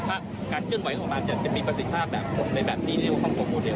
ถ้าการเชื่อมไหวของมันจะมีประสิทธิภาพแบบในแบบที่เรียกว่าห้องโครงโมเดล